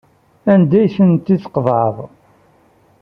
Anda ay tent-id-tqeḍɛeḍ?